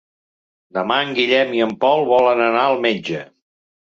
Demà en Guillem i en Pol volen anar al metge.